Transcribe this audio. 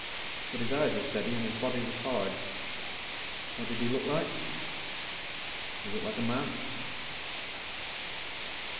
But his eyes were steady and his body was hard. What did he look like? He looked like a man.